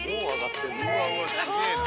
「うわうわすげえな」